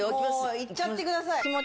もういっちゃってください